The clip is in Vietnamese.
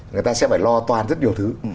người ta sẽ phải lo toàn rất nhiều thứ